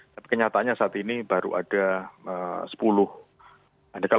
tapi kenyataannya saat ini baru ada sepuluh